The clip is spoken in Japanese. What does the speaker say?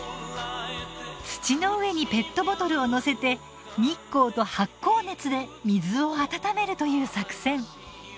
土の上にペットボトルを載せて日光と発酵熱で水を温めるという作戦。